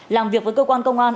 làm việc với cơ quan công an